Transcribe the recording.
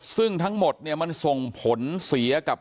ซึ่งทั้งหมดเนี่ยมันส่งผลเสียกับ